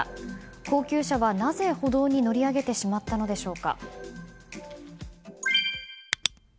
高級車はなぜ歩道に乗り上げてしまったのでしょうか。